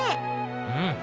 うん。